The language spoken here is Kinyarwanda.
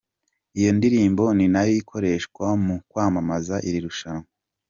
Iyo ndirimbo ni na yo ikoreshwa mu kwamamaza iri rushanwa.